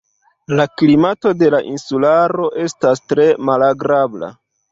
La klimato de la insularo estas tre malagrabla.